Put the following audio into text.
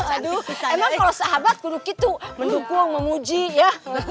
aduh emang kalau sahabat kuduki tuh mendukung memuji ya